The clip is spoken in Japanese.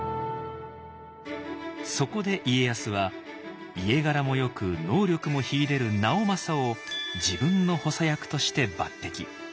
そこで家康は家柄もよく能力も秀でる直政を自分の補佐役として抜てき。